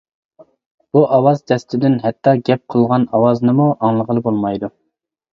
بۇ ئاۋاز دەستىدىن ھەتتا گەپ قىلغان ئاۋازنىمۇ ئاڭلىغىلى بولمايدۇ.